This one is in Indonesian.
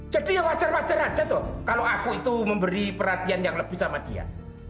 jadi ya wajar wajar aja toh kalau aku itu memberi perhatian yang lebih sama dia